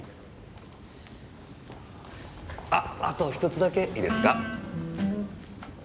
ああと１つだけいいですか？